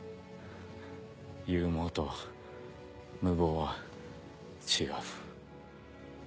勇猛と無謀は違う。